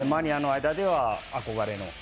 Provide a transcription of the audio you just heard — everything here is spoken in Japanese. マニアの間では憧れの。